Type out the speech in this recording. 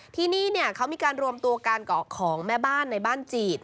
ที่นี่เขามีการรวมตัวการเกาะของแม่บ้านในบ้านจีด